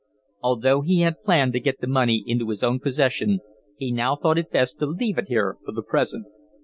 Although he had planned to get the money into his own possession, he now thought it best to leave it here for the present.